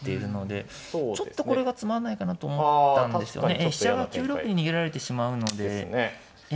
ええ飛車が９六に逃げられてしまうので。ですね。